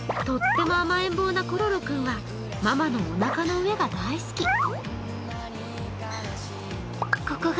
とっても甘えん坊なコロロ君はママのおなかの上が大好き。